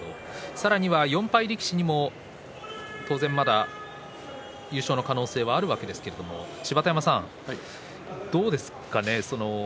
さらには４敗力士にも当然、まだ優勝の可能性があるわけですけれどもどうですかね